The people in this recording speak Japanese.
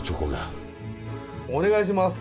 お願いします！